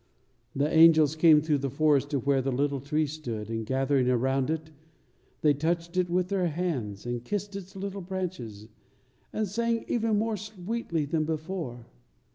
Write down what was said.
The angels came through the forest to where the little tree stood, and gathering around it, they touched it with their hands, and kissed its little branches, and sang even more sweetly than before.